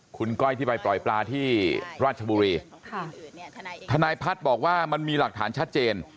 คุณก้อยที่ไปปล่อยปลาที่ราชบุรีทนายพัฒน์บอกว่ามันมีหลักฐานชัดเจน